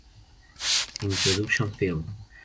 Introduction Film.